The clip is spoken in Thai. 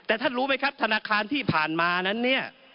แต่ท่านรู้ไหมครับธนาคารที่ผ่านมานั้นเนี่ย